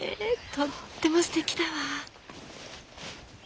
とってもすてきだわ。